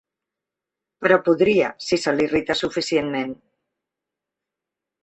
Però podria, si se l'irrita suficientment.